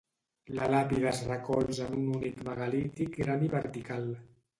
La làpida es recolza en un únic megalític gran i vertical.